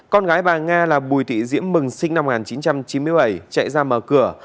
con gái bà nga là bùi thị diễm mừng sinh năm một nghìn chín trăm chín mươi bảy chạy ra mở cửa